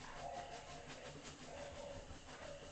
母陆氏。